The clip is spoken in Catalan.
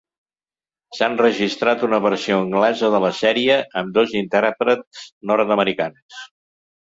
S'ha enregistrat una versió anglesa de la sèrie, amb dos intèrprets nord-americans.